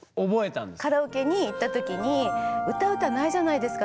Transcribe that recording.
カラオケに行った時に歌う歌ないじゃないですか